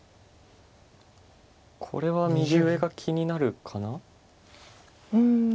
これは右上が気になるかな。